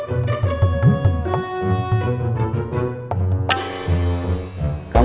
kamu pulang sekarang